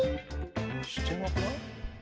してなくない？